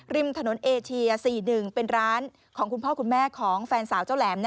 ริมถนนเอเชีย๔๑เป็นร้านของคุณพ่อคุณแม่ของแฟนสาวเจ้าแหลม